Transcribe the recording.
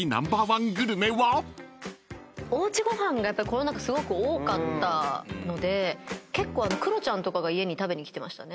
おうちご飯がコロナ禍すごく多かったので結構クロちゃんとかが家に食べに来てましたね。